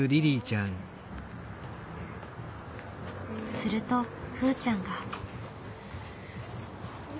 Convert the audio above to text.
するとふーちゃんが。